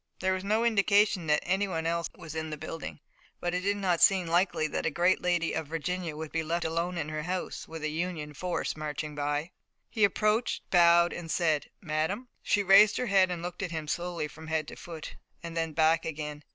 There was no indication that anyone else was in the building, but it did not seem likely that a great lady of Virginia would be left alone in her house, with a Union force marching by. He approached, bowed and said: "Madame!" She raised her head and looked at him slowly from head to foot, and then back again.